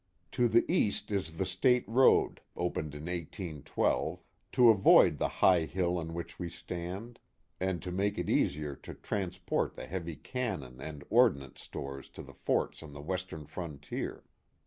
To the east is the State road, opened in 1812, to avoid the high hill on which we stand, and to make it easier to transport the heavy cannon and ordnance stores to the forts on the Western frontier.